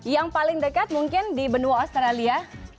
yang paling dekat mungkin di benua australia